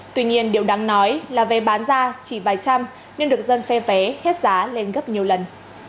tuy nhiên điều đáng nói là vé bán ra chỉ vài trăm nhưng được dân phe vé hết giá lên gấp nhiều lần